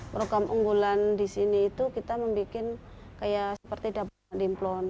program unggulan di sini itu kita membuat seperti dapur mak demplon